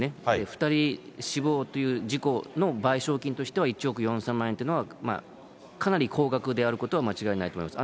２人死亡という事故の賠償金としては１億４０００万円というのは、かなり高額であることは間違いないと思います。